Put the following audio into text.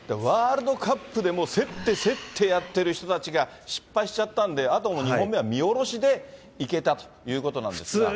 ワールドカップで競って競ってやってる人たちが、失敗しちゃったんで、あとは２本目は見下ろしでいけたということなんですか？